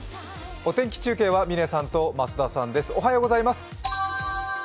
お天気中継は嶺さんと増田さんです。